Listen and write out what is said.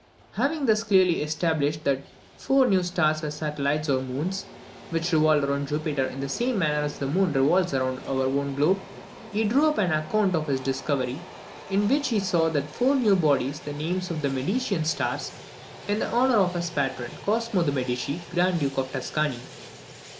Having thus clearly established that the four new stars were satellites or moons, which revolved round Jupiter in the same manner as the moon revolves round our own globe, he drew up an account of his discovery, in which he gave to the four new bodies the names of the Medicean Stars, in honour of his patron, Cosmo de Medici, Grand Duke of Tuscany.